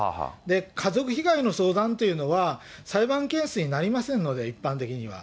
家族被害の相談っていうのは、裁判件数になりませんので、一般的には。